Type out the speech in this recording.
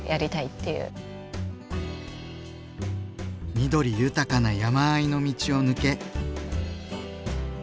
緑豊かな山あいの道を抜け。